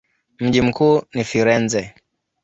Mji mkuu ni Firenze.